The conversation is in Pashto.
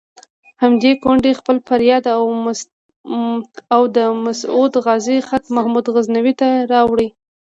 همدې کونډې خپل فریاد او د مسعود غازي خط محمود غزنوي ته راوړی.